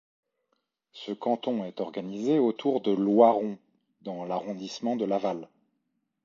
Ce canton est organisé autour de Loiron dans l'arrondissement de Laval.